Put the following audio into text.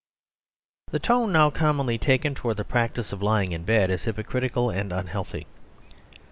The tone now commonly taken toward the practice of lying in bed is hypocritical and unhealthy.